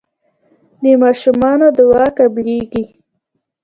د ماشوم دعا قبليږي.